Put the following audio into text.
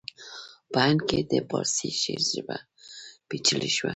په هند کې د پارسي شعر ژبه پیچلې شوه